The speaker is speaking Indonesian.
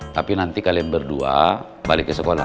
tapi nanti kalian berdua balik ke sekolah